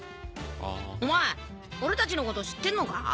お前俺たちのこと知ってんのか？